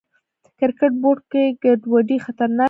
کرکټ بورډ کې ګډوډي خطرناکه ده.